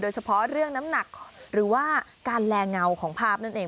เฉพาะเรื่องน้ำหนักหรือว่าการแลเงาของภาพนั่นเอง